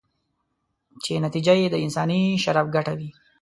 چې نتیجه یې د انساني شرف ګټه وي.